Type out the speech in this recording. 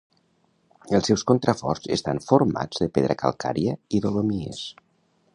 Els seus contraforts estan formats de pedra calcària i dolomies.